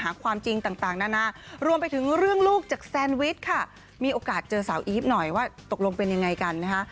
ความจริงต่างนานารวมไปถึงเรื่องลูกจากแซนวิชค่ะมีโอกาสเจอสาวอีฟหน่อยว่าตกลงเป็นยังไงกันนะคะ